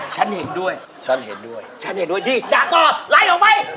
ฉันเห็นด้วยดีด้ากอไล่ออกไป